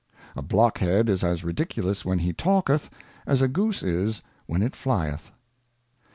A Blockhead is as ridiculous when he talketh, as a Goose is when it flieth.